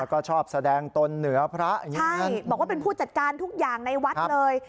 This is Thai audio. ก็ชอบแสดงตนเหนือพระอย่างนี้ใช่บอกว่าเป็นผู้จัดการทุกอย่างในวัดเลย